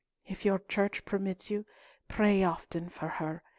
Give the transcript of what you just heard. If your Church permits you, pray often for her.